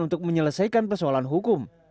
untuk menyelesaikan persoalan hukum